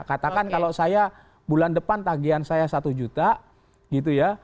katakan kalau saya bulan depan tagihan saya satu juta gitu ya